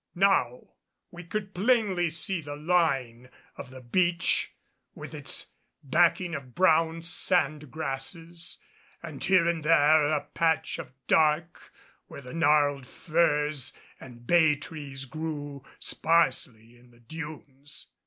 Now we could plainly see the line of the beach with its backing of brown sand grasses and here and there a patch of dark where the gnarled firs and bay trees grew sparsely in the dunes.